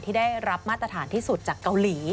ที่ได้รับมาตรฐานที่สุดจากเกาหลี